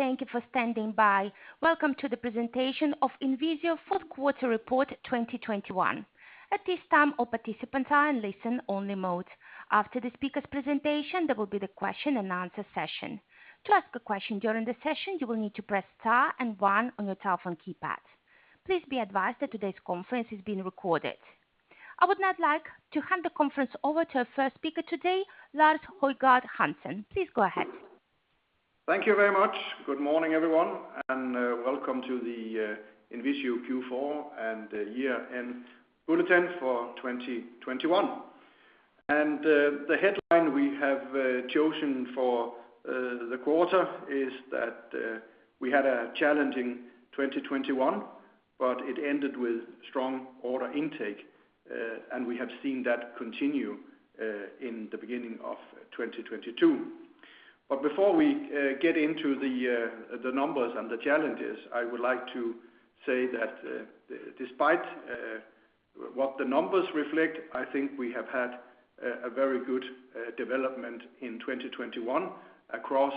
Thank you for standing by. Welcome to the presentation of INVISIO fourth quarter report 2021. At this time, all participants are in listen-only mode. After the speaker's presentation, there will be the question and answer session. To ask a question during the session, you will need to press star and one on your telephone keypad. Please be advised that today's conference is being recorded. I would now like to hand the conference over to our first speaker today, Lars Højgård Hansen. Please go ahead. Thank you very much. Good morning, everyone, and welcome to the INVISIO Q4 and year-end bulletin for 2021. The headline we have chosen for the quarter is that we had a challenging 2021, but it ended with strong order intake, and we have seen that continue in the beginning of 2022. Before we get into the numbers and the challenges, I would like to say that, despite what the numbers reflect, I think we have had a very good development in 2021 across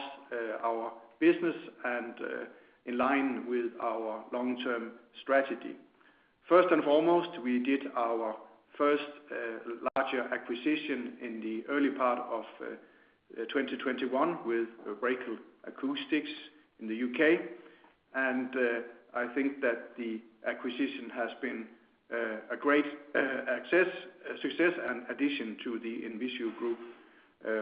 our business and in line with our long-term strategy. First and foremost, we did our first larger acquisition in the early part of 2021 with Racal Acoustics in the U.K. I think that the acquisition has been a great success and addition to the INVISIO group.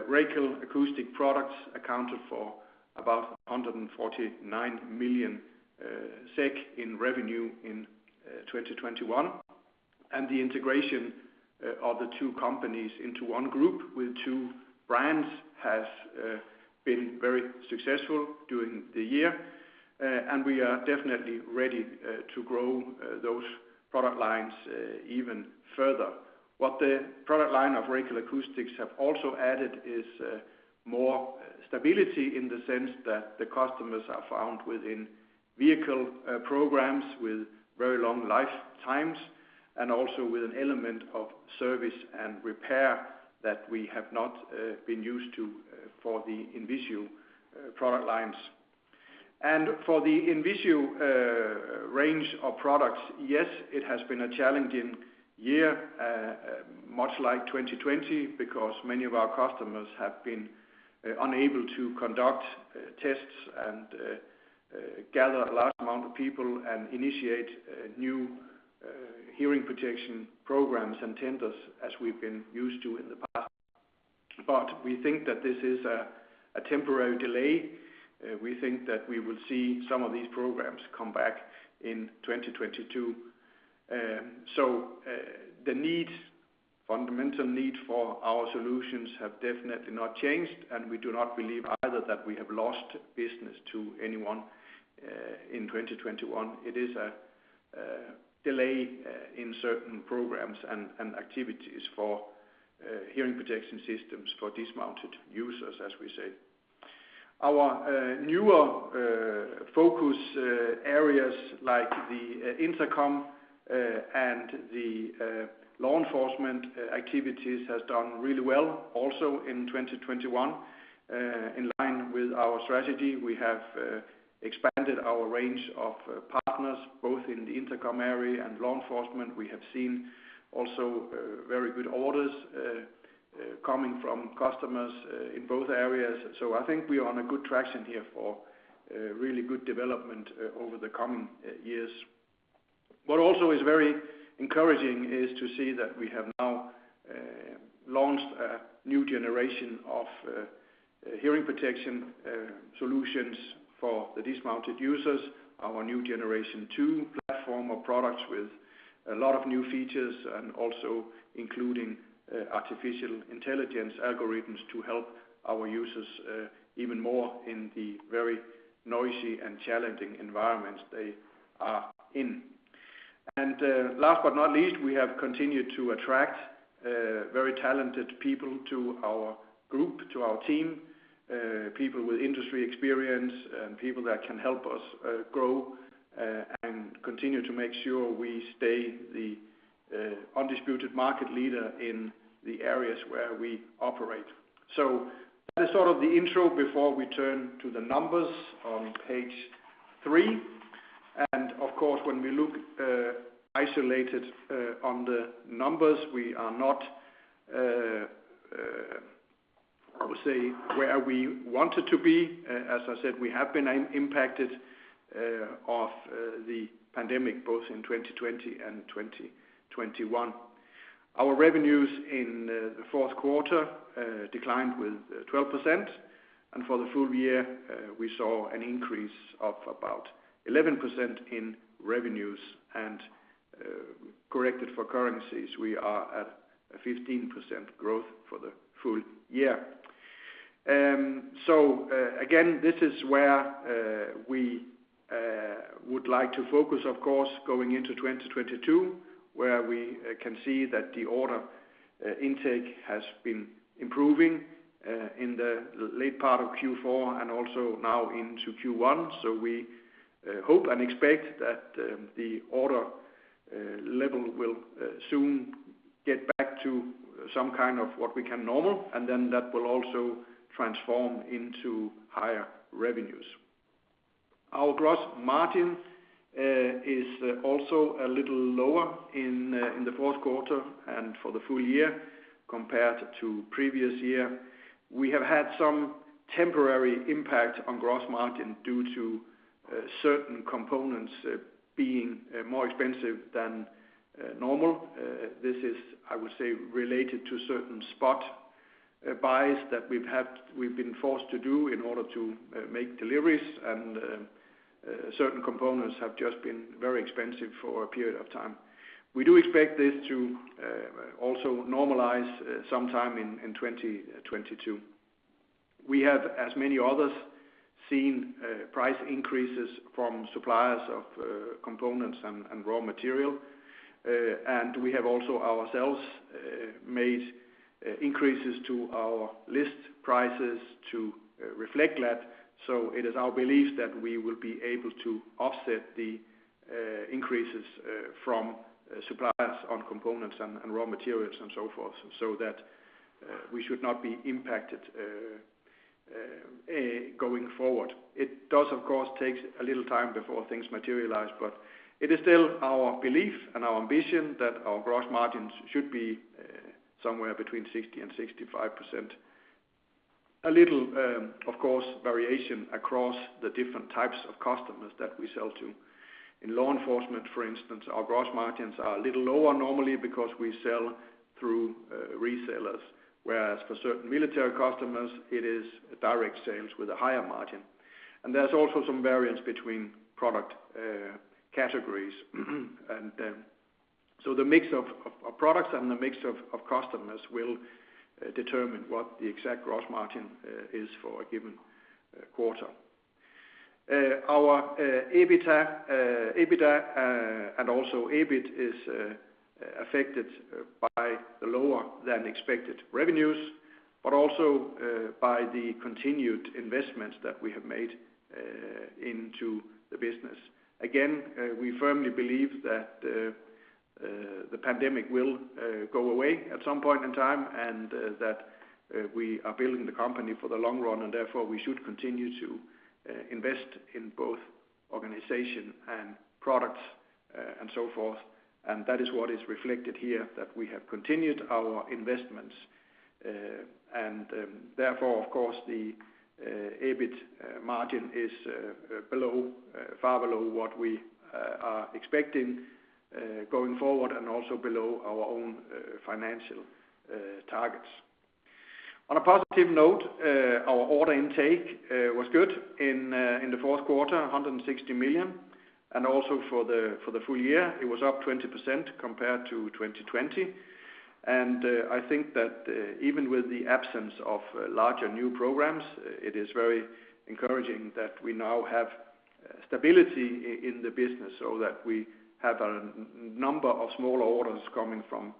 Racal Acoustics products accounted for about 149 million SEK in revenue in 2021. The integration of the two companies into one group with two brands has been very successful during the year. We are definitely ready to grow those product lines even further. What the product line of Racal Acoustics have also added is more stability in the sense that the customers are found within vehicle programs with very long lifetimes, and also with an element of service and repair that we have not been used to for the INVISIO product lines. For the INVISIO range of products, yes, it has been a challenging year, much like 2020, because many of our customers have been unable to conduct tests and gather a large amount of people and initiate new hearing protection programs and tenders as we've been used to in the past. We think that this is a temporary delay. We think that we will see some of these programs come back in 2022. The need, fundamental need for our solutions have definitely not changed, and we do not believe either that we have lost business to anyone in 2021. It is a delay in certain programs and activities for hearing protection systems for dismounted users, as we say. Our newer focus areas like the Intercom and the law enforcement activities has done really well also in 2021. In line with our strategy, we have expanded our range of partners, both in the Intercom area and law enforcement. We have seen also very good orders coming from customers in both areas. I think we are on a good traction here for really good development over the coming years. What also is very encouraging is to see that we have now launched a new generation of hearing protection solutions for the dismounted users, our new Gen II platform of products with a lot of new features and also including artificial intelligence algorithms to help our users even more in the very noisy and challenging environments they are in. Last but not least, we have continued to attract very talented people to our group, to our team, people with industry experience and people that can help us grow and continue to make sure we stay the undisputed market leader in the areas where we operate. That is sort of the intro before we turn to the numbers on page three. Of course, when we look isolated on the numbers, we are not, I would say, where we wanted to be. As I said, we have been impacted of the pandemic both in 2020 and 2021. Our revenues in the fourth quarter declined by 12%. For the full year, we saw an increase of about 11% in revenues and, corrected for currencies, we are at a 15% growth for the full year. Again, this is where we would like to focus, of course, going into 2022, where we can see that the order intake has been improving in the late part of Q4 and also now into Q1. We hope and expect that the order level will soon get back to some kind of what we call normal, and then that will also transform into higher revenues. Our gross margin is also a little lower in the fourth quarter and for the full year compared to previous year. We have had some temporary impact on gross margin due to certain components being more expensive than normal. This is, I would say, related to certain spot buys that we've been forced to do in order to make deliveries and certain components have just been very expensive for a period of time. We do expect this to also normalize sometime in 2022. We have as many others seen price increases from suppliers of components and raw material. We have also ourselves made increases to our list prices to reflect that. It is our belief that we will be able to offset the increases from suppliers on components and raw materials and so forth, so that we should not be impacted going forward. It does, of course, takes a little time before things materialize, but it is still our belief and our ambition that our gross margins should be somewhere between 60%-65%, a little, of course, variation across the different types of customers that we sell to. In law enforcement, for instance, our gross margins are a little lower normally because we sell through resellers, whereas for certain military customers, it is a direct sales with a higher margin. There's also some variance between product categories. The mix of products and the mix of customers will determine what the exact gross margin is for a given quarter. Our EBITDA and also EBIT is affected by the lower than expected revenues, but also by the continued investments that we have made into the business. Again, we firmly believe that the pandemic will go away at some point in time, and that we are building the company for the long run, and therefore we should continue to invest in both organization and products and so forth. That is what is reflected here, that we have continued our investments. Therefore of course, the EBIT margin is below, far below what we are expecting going forward and also below our own financial targets. On a positive note, our order intake was good in the fourth quarter, 160 million, and also for the full year, it was up 20% compared to 2020. I think that even with the absence of larger new programs, it is very encouraging that we now have stability in the business, so that we have a number of smaller orders coming from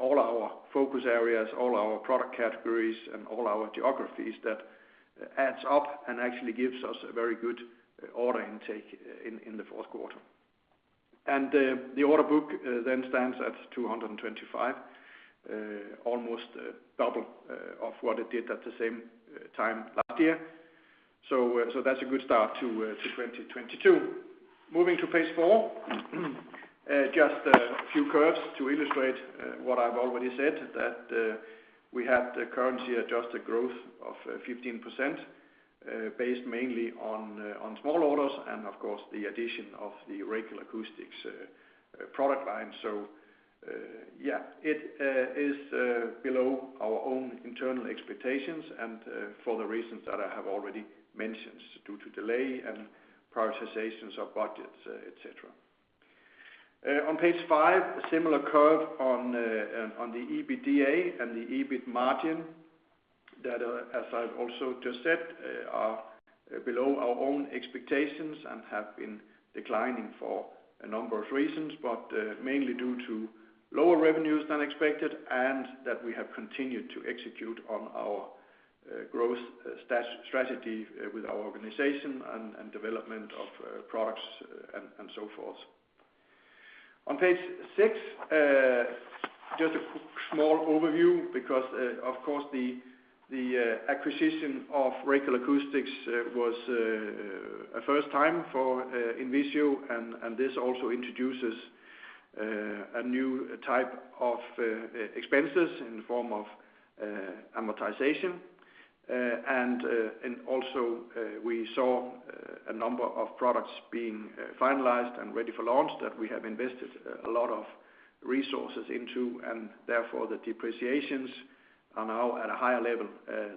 all our focus areas, all our product categories and all our geographies that adds up and actually gives us a very good order intake in the fourth quarter. The order book then stands at 225 million, almost double of what it did at the same time last year. That's a good start to 2022. Moving to page four. Just a few curves to illustrate what I've already said, that we had the currency adjusted growth of 15%, based mainly on small orders and of course the addition of the Racal Acoustics product line. It is below our own internal expectations and for the reasons that I have already mentioned due to delay and prioritizations of budgets, et cetera. On page five, a similar curve on the EBITDA and the EBIT margin that are, as I've also just said, below our own expectations and have been declining for a number of reasons, but mainly due to lower revenues than expected, and that we have continued to execute on our growth strategy with our organization and development of products and so forth. On page six, just a small overview because of course the acquisition of Racal Acoustics was a first time for INVISIO and this also introduces a new type of expenses in the form of amortization. We saw a number of products being finalized and ready for launch that we have invested a lot of resources into, and therefore the depreciations are now at a higher level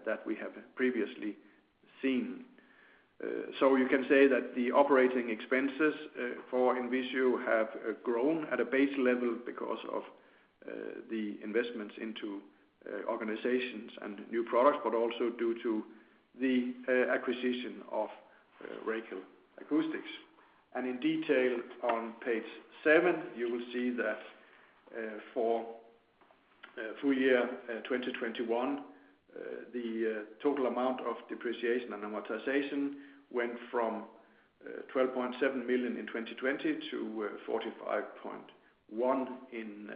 that we have previously seen. You can say that the operating expenses for INVISIO have grown at a base level because of the investments into organizations and new products, but also due to the acquisition of Racal Acoustics. In detail on page seven, you will see that for the full year 2021. The total amount of depreciation and amortization went from 12.7 million in 2020 to 45.1 million in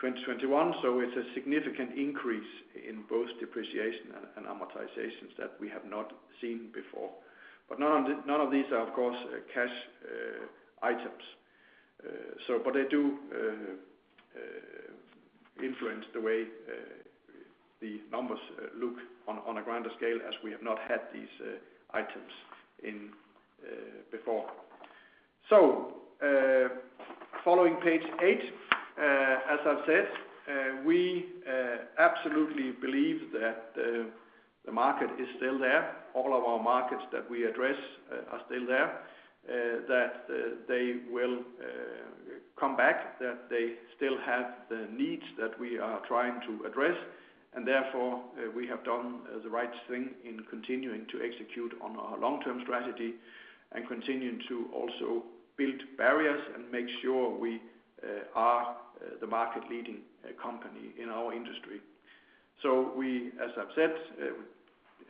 2021. It's a significant increase in both depreciation and amortizations that we have not seen before. None of these are of course cash items, but they do influence the way the numbers look on a grander scale as we have not had these items in before. Following page eight, as I've said, we absolutely believe that the market is still there. All of our markets that we address are still there, that they will come back, that they still have the needs that we are trying to address, and therefore, we have done the right thing in continuing to execute on our long-term strategy and continuing to also build barriers and make sure we are the market-leading company in our industry. We, as I've said,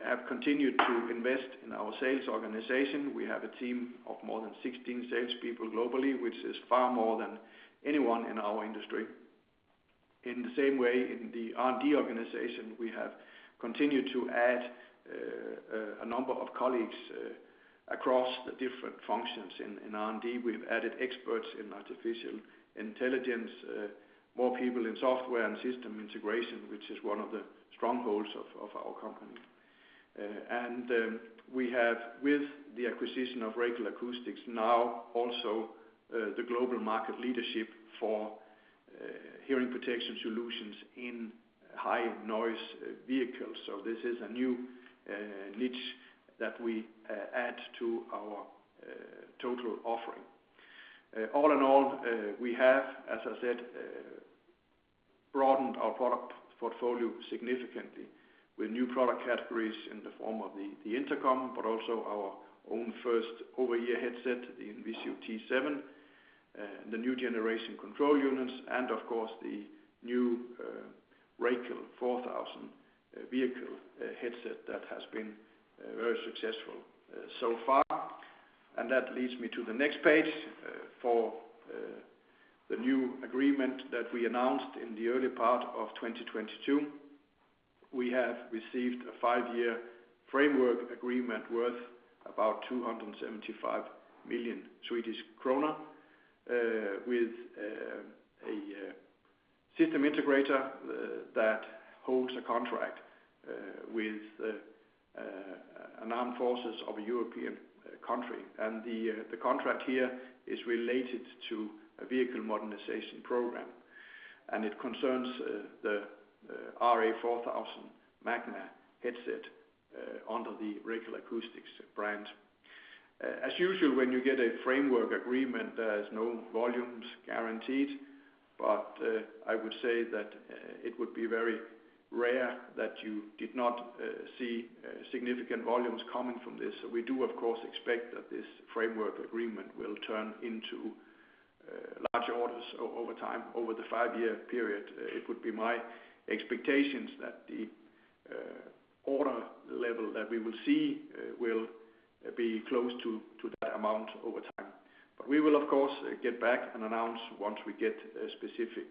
have continued to invest in our sales organization. We have a team of more than 16 salespeople globally, which is far more than anyone in our industry. In the same way, in the R&D organization, we have continued to add a number of colleagues across the different functions in R&D. We've added experts in artificial intelligence, more people in software and system integration, which is one of the strongholds of our company. We have, with the acquisition of Racal Acoustics, now also the global market leadership for hearing protection solutions in high noise vehicles. This is a new niche that we add to our total offering. All in all, we have, as I said, broadened our product portfolio significantly with new product categories in the form of the intercom, but also our own first over-ear headset, the INVISIO T7, the new generation control units, and of course, the new Racal RA4000 vehicle headset that has been very successful so far. That leads me to the next page, for the new agreement that we announced in the early part of 2022. We have received a 5-year framework agreement worth about 275 million Swedish krona with a system integrator that holds a contract with an armed forces of a European country. The contract here is related to a vehicle modernization program, and it concerns the RA4000 Magna headset under the Racal Acoustics brand. As usual, when you get a framework agreement, there's no volumes guaranteed, but I would say that it would be very rare that you did not see significant volumes coming from this. We do, of course, expect that this framework agreement will turn into larger orders over time, over the five-year period. It would be my expectations that the order level that we will see will be close to that amount over time. We will, of course, get back and announce once we get specific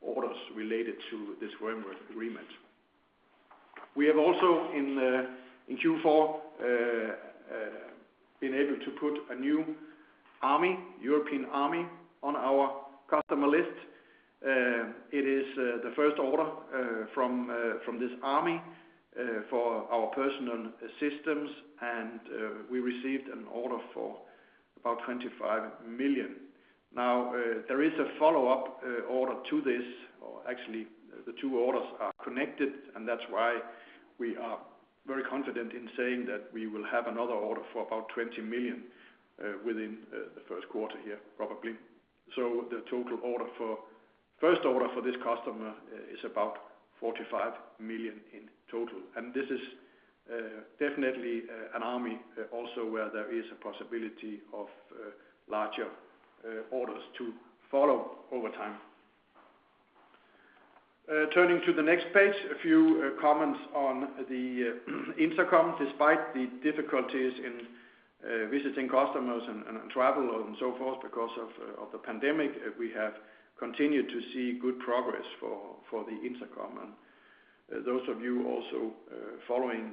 orders related to this framework agreement. We have also in Q4 been able to put a new army, European army, on our customer list. It is the first order from this army for our personal systems, and we received an order for about 25 million. Now, there is a follow-up order to this, or actually, the two orders are connected, and that's why we are very confident in saying that we will have another order for about 20 million within the first quarter here, probably. The total order for this customer is about 45 million in total. This is definitely an army, also where there is a possibility of larger orders to follow over time. Turning to the next page, a few comments on the intercom. Despite the difficulties in visiting customers and travel and so forth because of the pandemic, we have continued to see good progress for the intercom. Those of you also following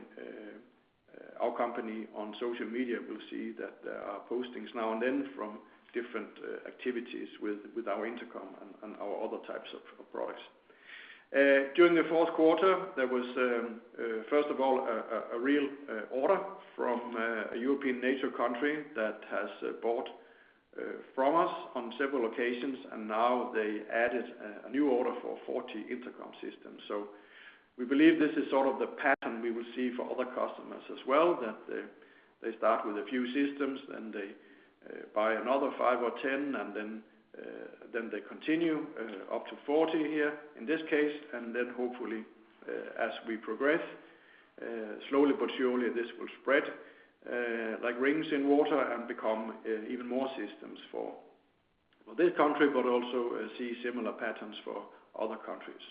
our company on social media will see that there are postings now and then from different activities with our intercom and our other types of products. During the fourth quarter, there was first of all a real order from a European NATO country that has bought from us on several occasions, and now they added a new order for 40 intercom systems. We believe this is sort of the pattern we will see for other customers as well, that they start with a few systems, then they buy another five or 10, and then they continue up to 40 here in this case. Hopefully, as we progress, slowly but surely this will spread like rings in water and become even more systems for this country, but also see similar patterns for other countries.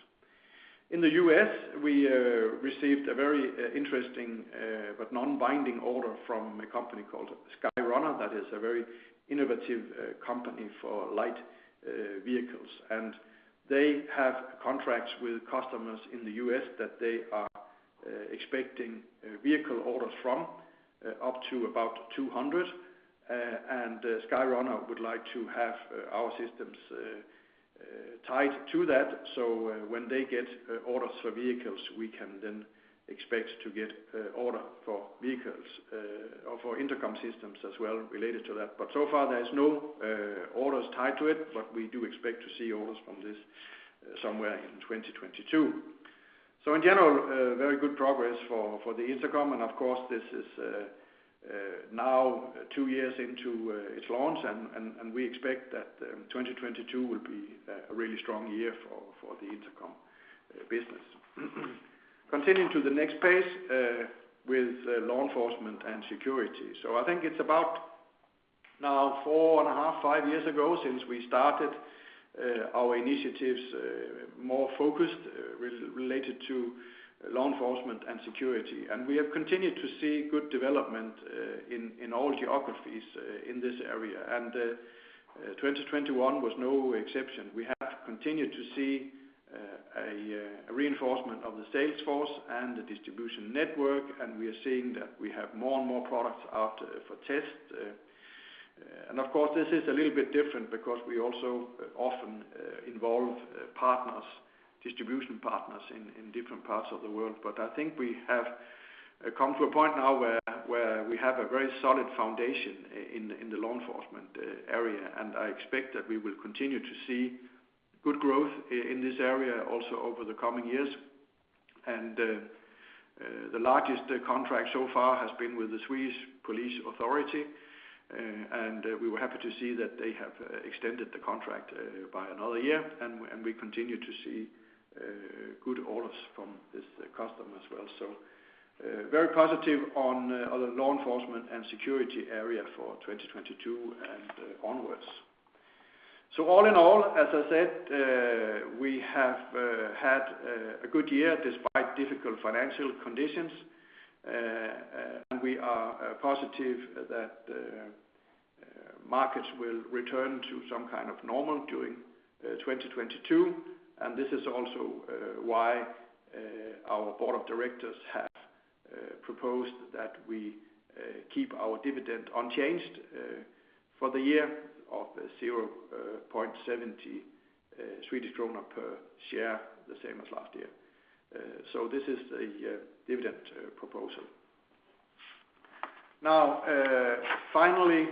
In the U.S., we received a very interesting, but non-binding order from a company called SkyRunner, that is a very innovative company for light vehicles. They have contracts with customers in the U.S. that they are expecting vehicle orders from, up to about 200. SkyRunner would like to have our systems tied to that so when they get orders for vehicles, we can then expect to get order for vehicles, or for intercom systems as well related to that. So far there is no orders tied to it, but we do expect to see orders from this somewhere in 2022. In general, very good progress for the intercom, and of course, this is now two years into its launch and we expect that 2022 will be a really strong year for the intercom business. Continuing to the next page with law enforcement and security. I think it's about now four and a half, five years ago since we started our initiatives more focused related to law enforcement and security. We have continued to see good development in all geographies in this area. 2021 was no exception. We have continued to see a reinforcement of the sales force and the distribution network, and we are seeing that we have more and more products out for test. Of course, this is a little bit different because we also often involve partners, distribution partners in different parts of the world. I think we have come to a point now where we have a very solid foundation in the law enforcement area. I expect that we will continue to see good growth in this area also over the coming years. The largest contract so far has been with the Swedish Police Authority, and we were happy to see that they have extended the contract by another year, and we continue to see good orders from this customer as well. Very positive on the law enforcement and security area for 2022 and onwards. All in all, as I said, we have had a good year despite difficult financial conditions. We are positive that markets will return to some kind of normal during 2022, and this is also why our board of directors have proposed that we keep our dividend unchanged for the year of 0.70 Swedish krona per share, the same as last year. This is the dividend proposal. Finally,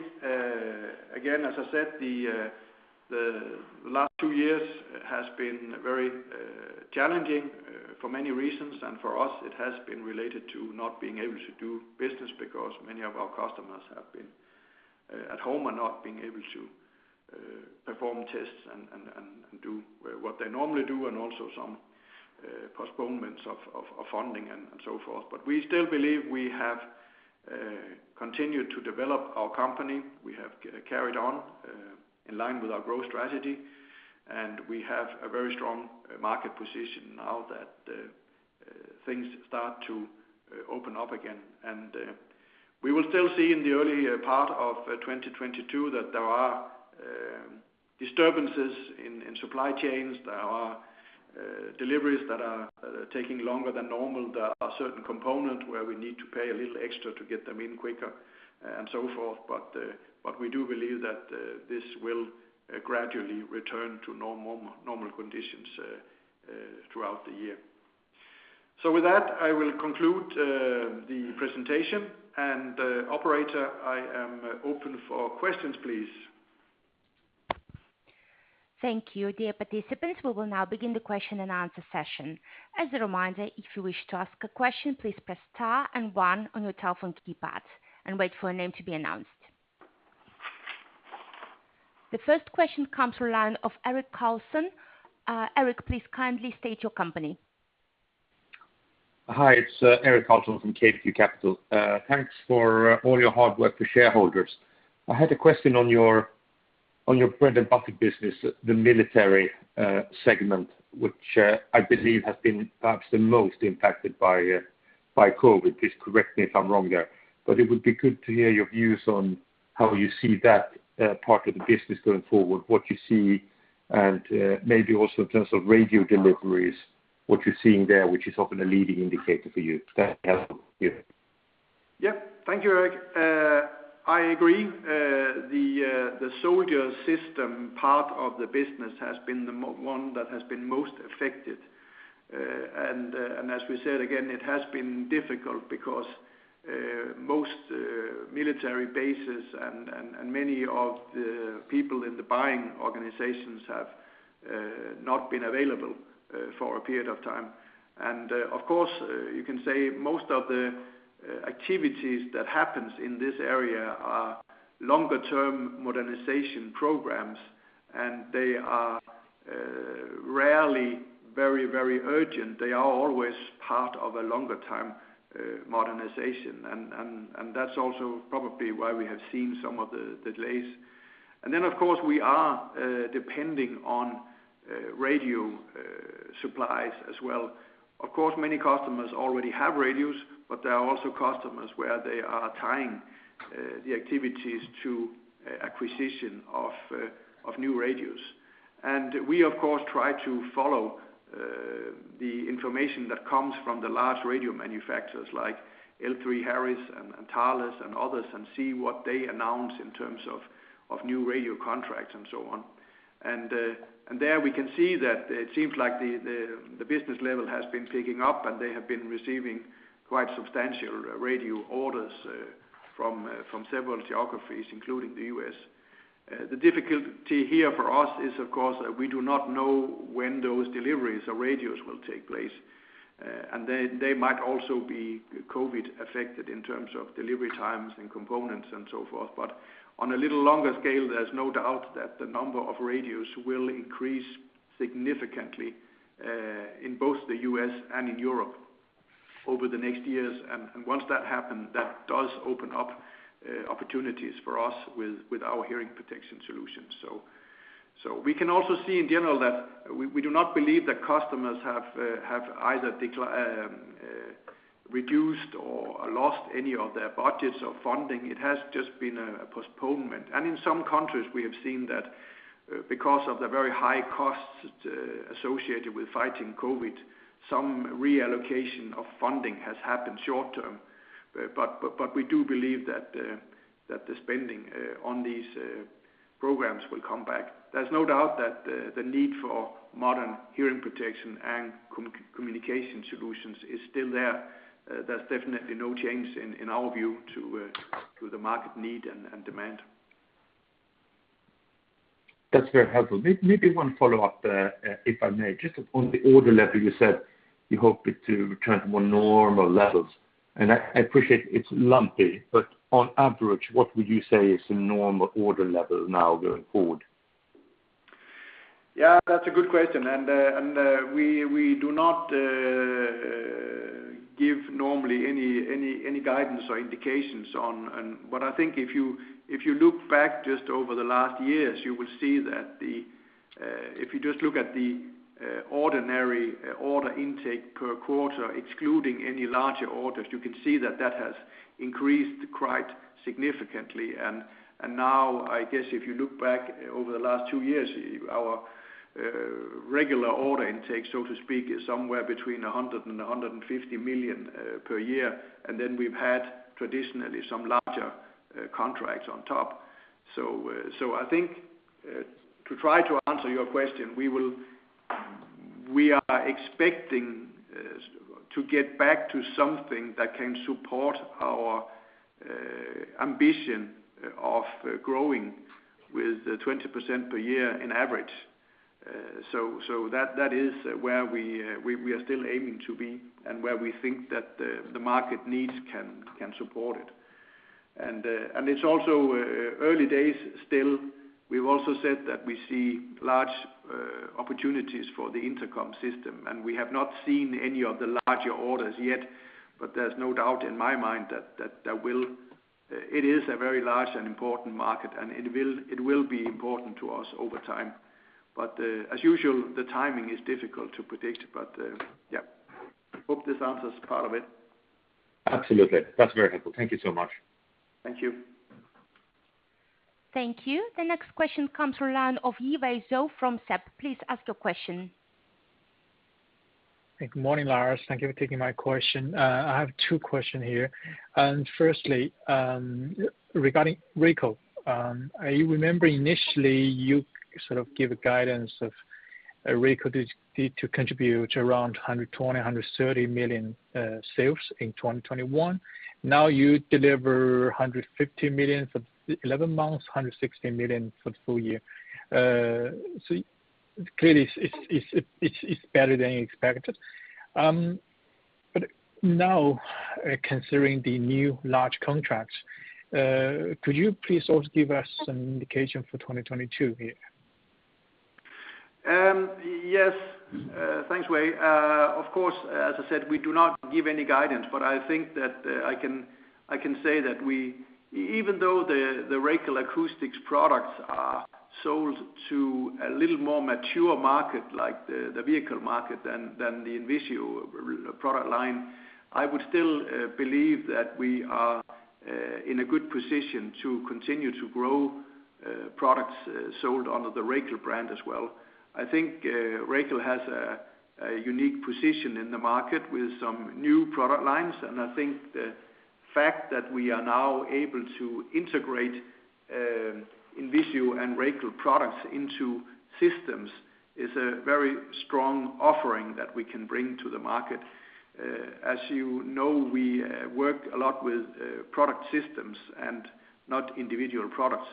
again, as I said, the last two years has been very challenging for many reasons. For us, it has been related to not being able to do business because many of our customers have been at home and not being able to perform tests and do what they normally do, and also some postponements of funding and so forth. We still believe we have continued to develop our company. We have carried on in line with our growth strategy, and we have a very strong market position now that things start to open up again. We will still see in the early part of 2022 that there are disturbances in supply chains. There are deliveries that are taking longer than normal. There are certain components where we need to pay a little extra to get them in quicker and so forth. We do believe that this will gradually return to normal conditions throughout the year. With that, I will conclude the presentation. Operator, I am open for questions, please. The first question comes from the line of Erik Karlsson. Erik, please kindly state your company. Hi, it's Erik Karlsson from CapeView Capital. Thanks for all your hard work for shareholders. I had a question on your bread-and-butter business, the military segment, which I believe has been perhaps the most impacted by COVID. Please correct me if I'm wrong there. It would be good to hear your views on how you see that part of the business going forward, what you see, and maybe also in terms of radio deliveries, what you're seeing there, which is often a leading indicator for you. That's helpful. Yeah. Yeah. Thank you, Erik. I agree. The soldier system part of the business has been the one that has been most affected. As we said, again, it has been difficult because most military bases and many of the people in the buying organizations have not been available for a period of time. Of course, you can say most of the activities that happens in this area are longer-term modernization programs. They are rarely very urgent. They are always part of a longer-term modernization. That's also probably why we have seen some of the delays. Of course, we are depending on radio supplies as well. Of course, many customers already have radios, but there are also customers where they are tying the activities to acquisition of new radios. We of course try to follow the information that comes from the large radio manufacturers like L3Harris and Thales and others and see what they announce in terms of new radio contracts and so on. There we can see that it seems like the business level has been picking up, and they have been receiving quite substantial radio orders from several geographies, including the U.S. The difficulty here for us is of course, we do not know when those deliveries or radios will take place. They might also be COVID affected in terms of delivery times and components and so forth. On a little longer scale, there's no doubt that the number of radios will increase significantly in both the U.S. and in Europe over the next years. Once that happens, that does open up opportunities for us with our hearing protection solutions. We can also see in general that we do not believe that customers have either reduced or lost any of their budgets or funding. It has just been a postponement. In some countries we have seen that, because of the very high costs associated with fighting COVID, some reallocation of funding has happened short-term. We do believe that the spending on these programs will come back. There's no doubt that the need for modern hearing protection and communication solutions is still there. There's definitely no change in our view to the market need and demand. That's very helpful. Maybe one follow-up, if I may. Just on the order level, you said you hope it to return to more normal levels. I appreciate it's lumpy, but on average, what would you say is a normal order level now going forward? Yeah, that's a good question. We do not give normally any guidance or indications on. What I think if you look back just over the last years, you will see that if you just look at the ordinary order intake per quarter, excluding any larger orders, you can see that that has increased quite significantly. Now I guess if you look back over the last two years, our regular order intake, so to speak, is somewhere between 100 million and 150 million per year. Then we've had traditionally some larger contracts on top. I think to try to answer your question, we will. We are expecting to get back to something that can support our ambition of growing with 20% per year on average. That is where we are still aiming to be and where we think that the market needs can support it. It's also early days still. We've also said that we see large opportunities for the intercom system, and we have not seen any of the larger orders yet. There's no doubt in my mind that will. It is a very large and important market, and it will be important to us over time. As usual, the timing is difficult to predict. Yeah, hope this answers part of it. Absolutely. That's very helpful. Thank you so much. Thank you. Thank you. The next question comes from the line of YIWEI ZHU from SEB. Please ask your question. Good morning, Lars. Thank you for taking my question. I have two questions here. Firstly, regarding Racal. I remember initially you sort of gave a guidance that Racal would contribute around 120 million-130 million sales in 2021. Now you deliver 150 million for 11 months, 160 million for the full year. Clearly it's better than expected. Now considering the new large contracts, could you please also give us some indication for 2022 here? Yes. Thanks, Wei. Of course, as I said, we do not give any guidance. I think that I can say that even though the Racal Acoustics products are sold to a little more mature market, like the vehicle market than the INVISIO product line, I would still believe that we are in a good position to continue to grow products sold under the Racal brand as well. I think Racal has a unique position in the market with some new product lines, and I think the fact that we are now able to integrate INVISIO and Racal products into systems is a very strong offering that we can bring to the market. As you know, we work a lot with product systems and not individual products.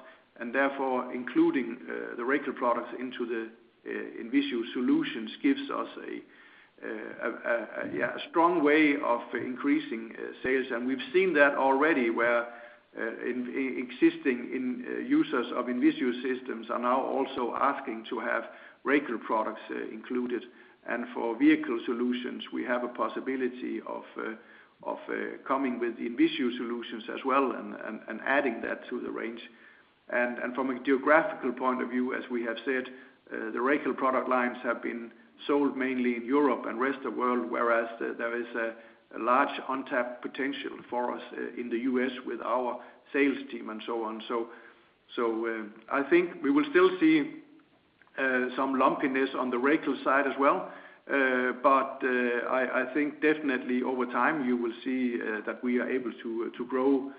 Therefore, including the Racal products into the INVISIO solutions gives us a strong way of increasing sales. We've seen that already where existing end-users of INVISIO systems are now also asking to have Racal products included. For vehicle solutions, we have a possibility of coming with INVISIO solutions as well and adding that to the range. From a geographical point of view, as we have said, the Racal product lines have been sold mainly in Europe and rest of world, whereas there is a large untapped potential for us in the U.S. with our sales team and so on. I think we will still see some lumpiness on the Racal side as well. I think definitely over time you will see that we are able to grow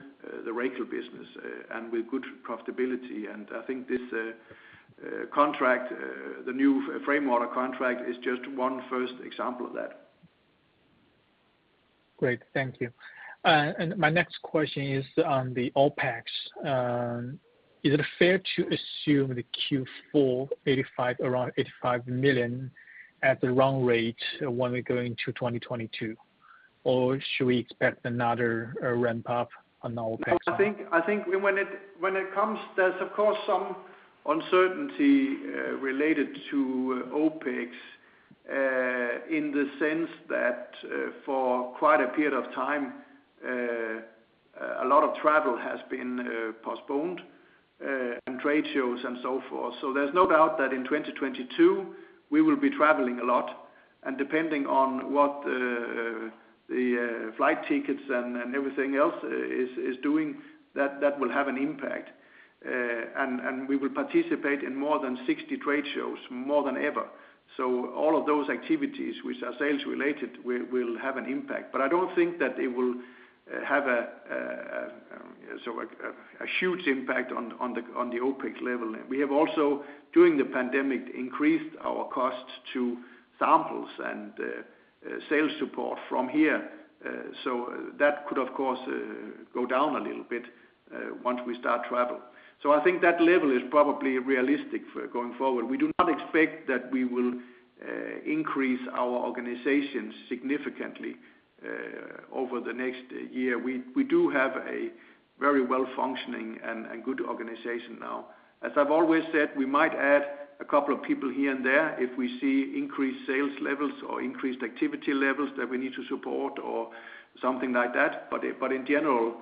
the Racal business and with good profitability. I think this contract, the new framework contract, is just one first example of that. Great. Thank you. My next question is on the OpEx. Is it fair to assume the Q4 85, around 85 million at the run rate when we go into 2022? Should we expect another ramp up on our OpEx? I think when it comes, there's of course some uncertainty related to OpEx in the sense that for quite a period of time a lot of travel has been postponed and trade shows and so forth. There's no doubt that in 2022 we will be traveling a lot. Depending on what the flight tickets and everything else is doing, that will have an impact. We will participate in more than 60 trade shows more than ever. All of those activities which are sales related will have an impact. I don't think that it will have a huge impact on the OpEx level. We have also, during the pandemic, increased our cost to samples and sales support from here. That could of course go down a little bit once we start travel. I think that level is probably realistic for going forward. We do not expect that we will increase our organization significantly over the next year. We do have a very well-functioning and good organization now. As I've always said, we might add a couple of people here and there if we see increased sales levels or increased activity levels that we need to support or something like that. In general,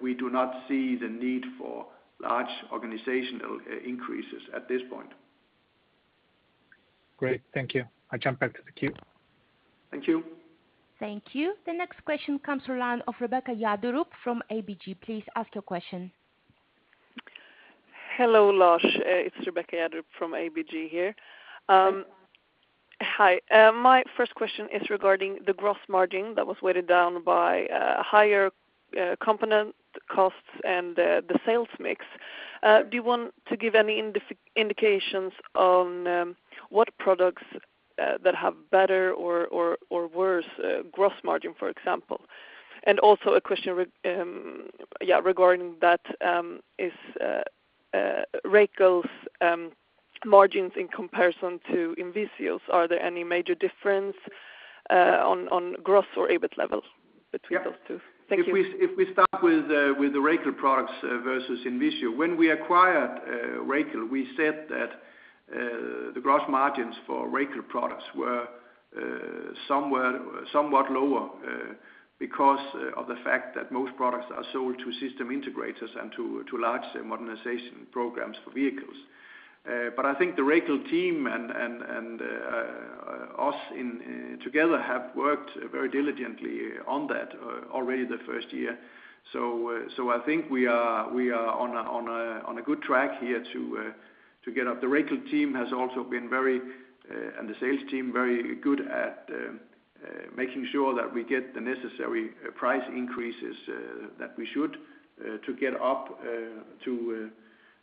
we do not see the need for large organizational increases at this point. Great. Thank you. I jump back to the queue. Thank you. Thank you. The next question comes from the line of Rebecca Jaderup from ABG. Please ask your question. Hello, Lars. It's Rebecca Jaderup from ABG here. My first question is regarding the gross margin that was weighed down by higher component costs and the sales mix. Do you want to give any indications on what products that have better or worse gross margin, for example? Also a question regarding that, is Racal's margins in comparison to INVISIO's. Are there any major difference on gross or EBIT levels between those two? Thank you. If we start with the Racal products versus INVISIO. When we acquired Racal, we said that the gross margins for Racal products were somewhat lower because of the fact that most products are sold to system integrators and to large modernization programs for vehicles. I think the Racal team and us together have worked very diligently on that already the first year. I think we are on a good track here to get up. The Racal team has also been very and the sales team very good at making sure that we get the necessary price increases that we should to get up to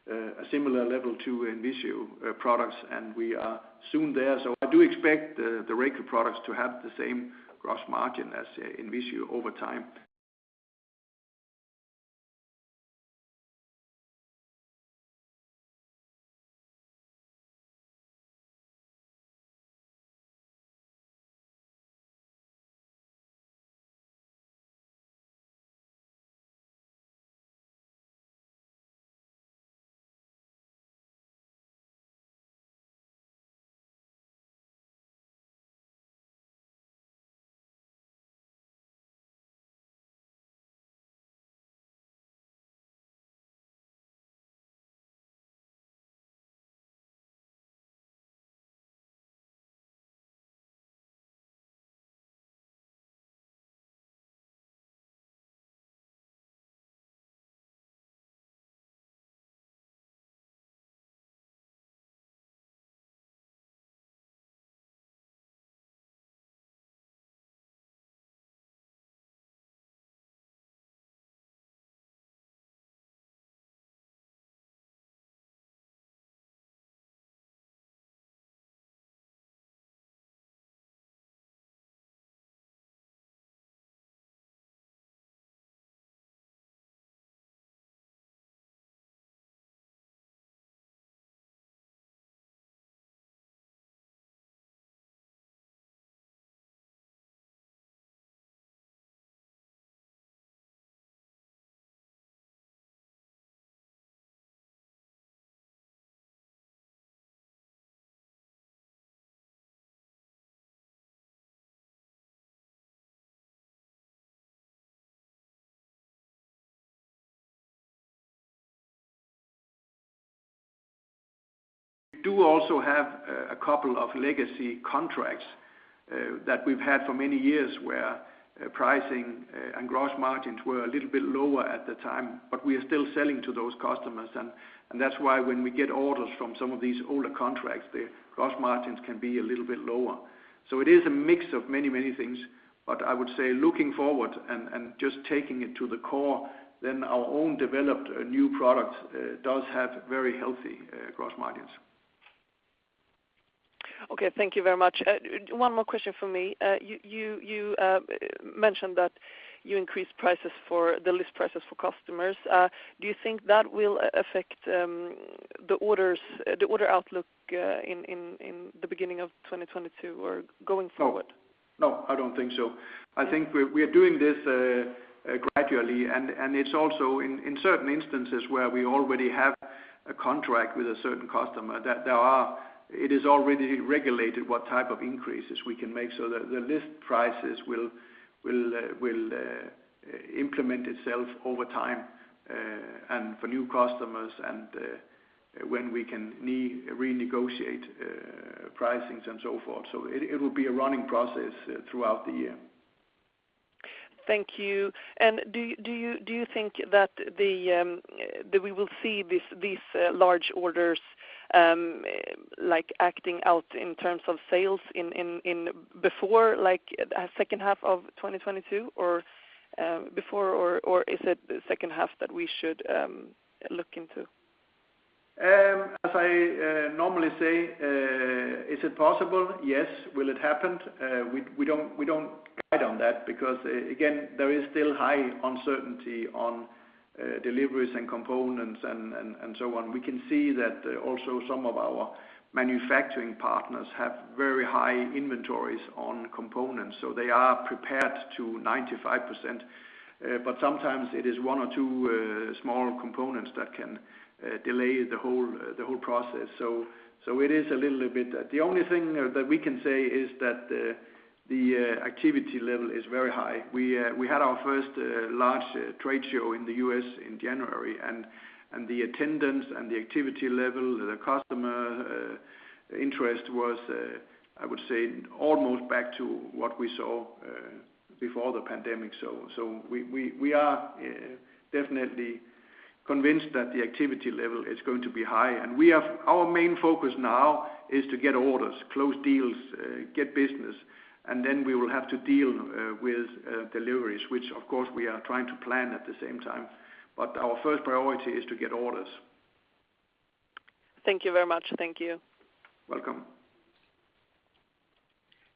a similar level to INVISIO products. We are soon there. I do expect the Racal products to have the same gross margin as INVISIO over time. We do also have a couple of legacy contracts that we've had for many years where pricing and gross margins were a little bit lower at the time, but we are still selling to those customers. That's why when we get orders from some of these older contracts, the gross margins can be a little bit lower. It is a mix of many things. I would say looking forward and just taking it to the core, then our own developed new products does have very healthy gross margins. Okay. Thank you very much. One more question from me. You mentioned that you increased prices for the list prices for customers. Do you think that will affect the orders, the order outlook, in the beginning of 2022 or going forward? No. I don't think so. I think we are doing this gradually, and it's also in certain instances where we already have a contract with a certain customer that there are. It is already regulated what type of increases we can make so that the list prices will implement itself over time, and for new customers and when we can renegotiate pricings and so forth. It will be a running process throughout the year. Thank you. Do you think that we will see these large orders like acting out in terms of sales before, like, second half of 2022 or before, or is it the second half that we should look into? As I normally say, is it possible? Yes. Will it happen? We don't guide on that because again, there is still high uncertainty on deliveries and components and so on. We can see that also some of our manufacturing partners have very high inventories on components, so they are prepared to 95%. Sometimes it is one or two small components that can delay the whole process. The only thing that we can say is that the activity level is very high. We had our first large trade show in the U.S. in January, and the attendance and the activity level, the customer interest was, I would say, almost back to what we saw before the pandemic. We are definitely convinced that the activity level is going to be high. Our main focus now is to get orders, close deals, get business, and then we will have to deal with deliveries, which of course we are trying to plan at the same time, but our first priority is to get orders. Thank you very much. Thank you. Welcome.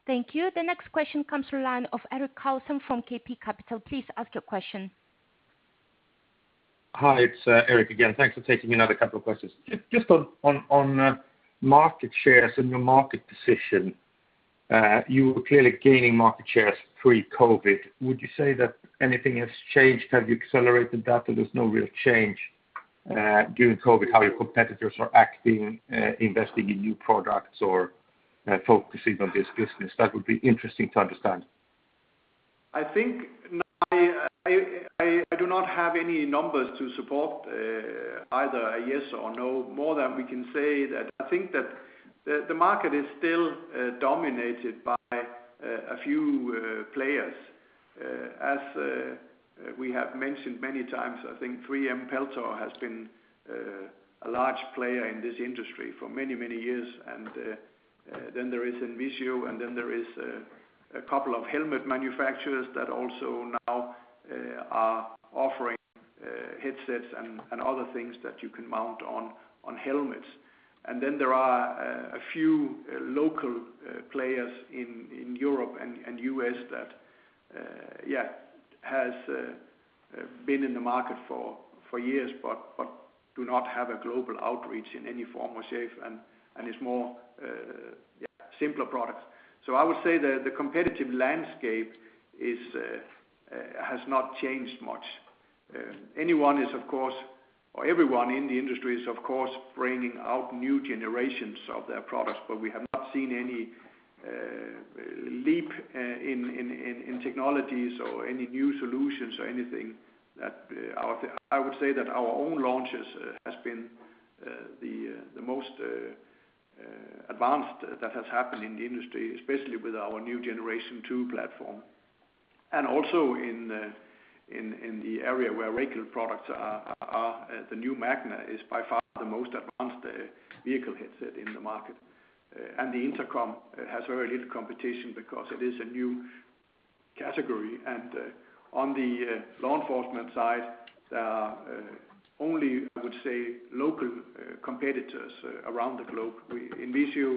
Thank you. The next question comes from the line of Erik Karlsson from CapeView Capital. Please ask your question. Hi, it's Erik again. Thanks for taking another couple of questions. Just on market shares and your market position. You were clearly gaining market shares pre-COVID. Would you say that anything has changed? Have you accelerated that or there's no real change during COVID, how your competitors are acting, investing in new products or focusing on this business? That would be interesting to understand. I think I do not have any numbers to support either a yes or no more than we can say that I think that the market is still dominated by a few players. As we have mentioned many times, I think 3M Peltor has been a large player in this industry for many, many years. Then there is INVISIO, and then there is a couple of helmet manufacturers that also now are offering headsets and other things that you can mount on helmets. There are a few local players in Europe and U.S. that has been in the market for years but do not have a global outreach in any form or shape and is more simpler products. I would say the competitive landscape has not changed much. Anyone is of course, or everyone in the industry is of course bringing out new generations of their products, but we have not seen any leap in technologies or any new solutions or anything that our own launches has been the most advanced that has happened in the industry, especially with our new generation two platform. Also in the area where regular products are, the new Magna is by far the most advanced vehicle headset in the market. The intercom has very little competition because it is a new category. On the law enforcement side, only I would say local competitors around the globe. INVISIO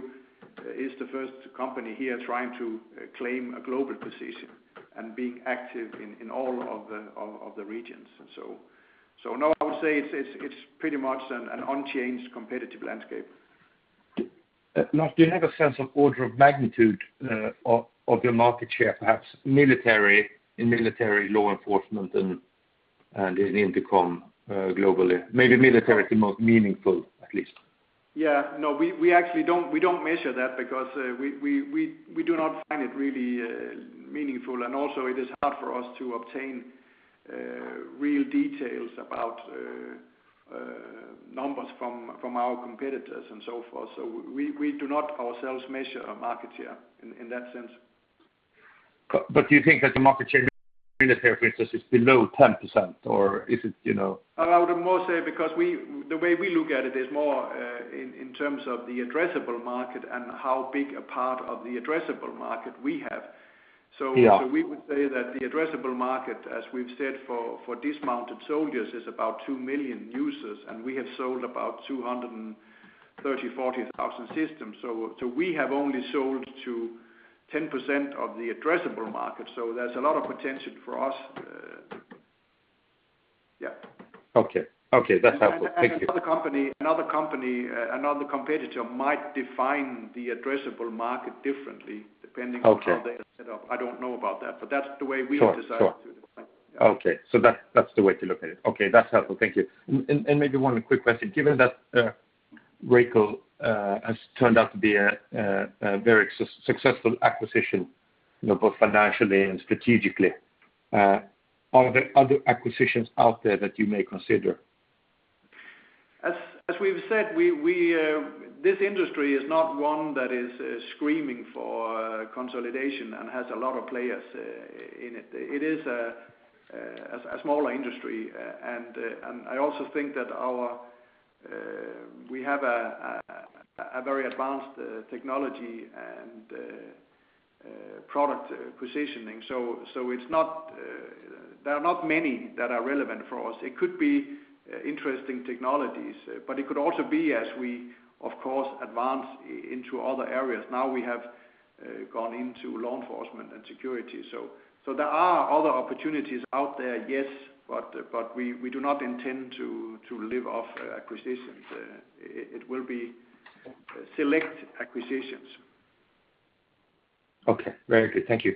is the first company here trying to claim a global position and being active in all of the regions. No, I would say it's pretty much an unchanged competitive landscape. Now do you have a sense of order of magnitude of your market share, perhaps military and military law enforcement and in intercom globally? Maybe military is the most meaningful, at least. Yeah. No, we actually don't measure that because we do not find it really meaningful. Also, it is hard for us to obtain real details about numbers from our competitors and so forth. We do not ourselves measure our market share in that sense. Do you think that the market share in military, for instance, is below 10%? Or is it, you know- I would more say because the way we look at it is more in terms of the addressable market and how big a part of the addressable market we have. Yeah. We would say that the addressable market, as we've said for dismounted soldiers, is about 2 million users, and we have sold about 234,000 systems. We have only sold to 10% of the addressable market. There's a lot of potential for us. Okay, that's helpful. Thank you. Another company, another competitor might define the addressable market differently depending- Okay. on how they are set up. I don't know about that, but that's the way we Sure. Sure. Decided to define it. Okay. So that's the way to look at it. Okay, that's helpful, thank you. Maybe one quick question. Given that, Racal has turned out to be a very successful acquisition, you know, both financially and strategically, are there other acquisitions out there that you may consider? As we've said, this industry is not one that is screaming for consolidation and has a lot of players in it. It is a smaller industry. I also think that we have a very advanced technology and product positioning. It's not, there are not many that are relevant for us. It could be interesting technologies, but it could also be as we of course advance into other areas. Now we have gone into law enforcement and security. There are other opportunities out there, yes. We do not intend to live off acquisitions. It will be select acquisitions. Okay, very good. Thank you.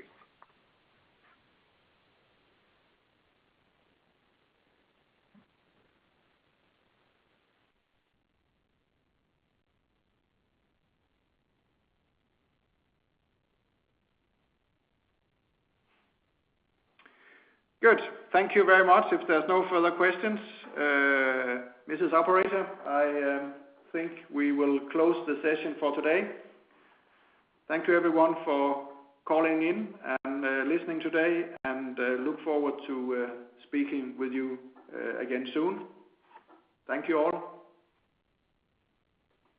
Good. Thank you very much. If there's no further questions, Mrs. Operator, I think we will close the session for today. Thank you, everyone, for calling in and listening today, and look forward to speaking with you again soon. Thank you all.